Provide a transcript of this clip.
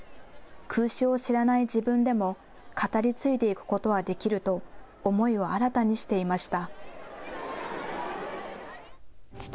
空襲を知らない自分でも語り継いでいくことはできると思いを新たにしていました。